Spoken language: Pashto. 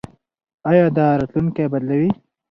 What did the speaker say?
ایا دا راتلونکی بدلوي؟